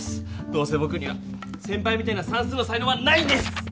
どうせぼくには先ぱいみたいな算数の才のうがないんです！